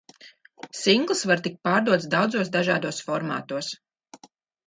Singls var tikt pārdots daudzos dažādos formātos.